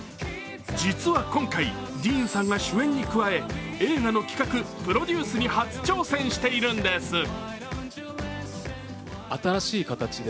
実は今回、ディーンさんが主演に加え映画の企画・プロデュースに初挑戦しているんです。